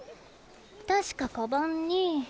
たしかカバンに。